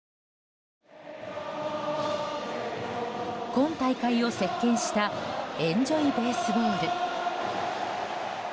今大会を席捲したエンジョイベースボール。